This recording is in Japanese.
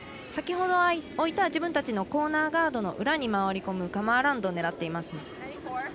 先ほど置いた自分たちのコーナーガードの裏に回り込むカム・アラウンドを狙っています。